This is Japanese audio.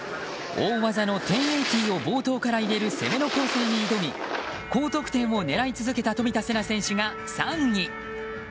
大技の１０８０を冒頭から入れる攻めの構成に挑み高得点を狙い続けた冨田せな選手が３位。